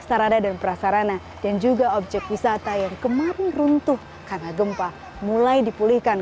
sarada dan prasarana dan juga objek wisata yang kemarin runtuh karena gempa mulai dipulihkan